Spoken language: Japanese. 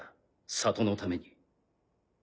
里のために。